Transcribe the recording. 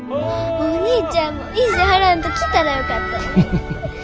お兄ちゃんも意地張らんと来たらよかったのに。